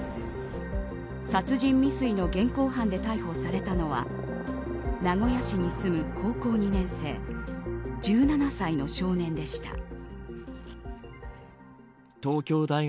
殺人未遂の現行犯で逮捕されたのは名古屋市に住む高校２年生１７歳の少年でした。